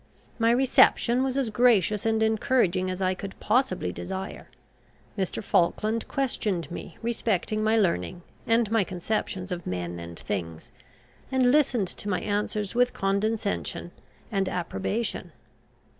My reception was as gracious and encouraging as I could possibly desire. Mr. Falkland questioned me respecting my learning, and my conceptions of men and things, and listened to my answers with condescension and approbation.